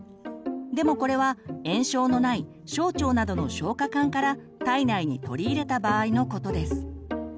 でもこれは炎症のない小腸などの消化管から体内に取り入れた場合のことです。